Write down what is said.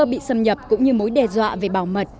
bị xâm nhập cũng như mối đe dọa về bảo mật